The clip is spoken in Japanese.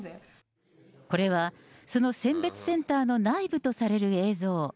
これは、その選別センターの内部とされる映像。